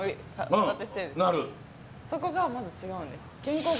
そこがまず違うんです